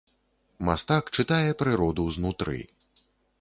Мастак чытае прыроду знутры.